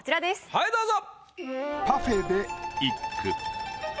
はいどうぞ。